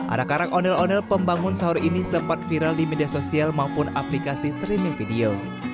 arak arak ondel ondel pembangun sahur ini sempat viral di media sosial maupun aplikasi streaming video